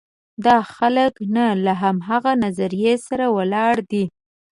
دا خلک نه له همغه نظریې سره ولاړ دي.